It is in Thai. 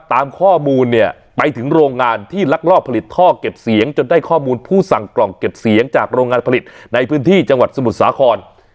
ตามข้อมูลเนี่ยไปถึงโรงงานที่ลักลอบผลิตท่อเก็บเสียงจนได้ข้อมูลผู้สั่งกล่องเก็บเสียงจากโรงงานผลิตในพื้นที่จังหวัดสมุทรสาคร